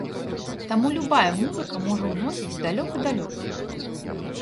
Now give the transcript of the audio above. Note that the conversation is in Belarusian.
Таму любая музыка можа ўносіць далёка-далёка.